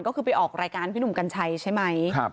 ก็คือไปออกรายการพี่หนุ่มกัญชัยใช่ไหม